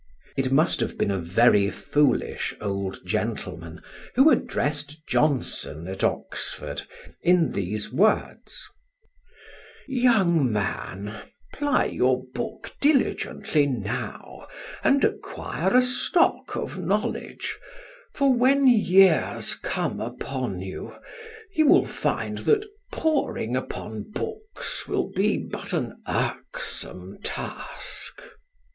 It must have been a very foolish old gentleman who addressed Johnson at Oxford in these words: "Young man, ply your book diligently now, and acquire a stock of knowledge; for when years come upon you, you will find that poring upon books will be but an irksome task."